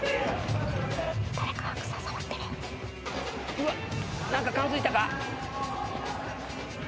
・うわっ何か感づいたか？